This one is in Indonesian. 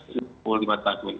yang berangkat dua puluh lima tahun